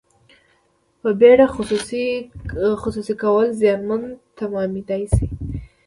په بیړه خصوصي کول زیانمن تمامیدای شي.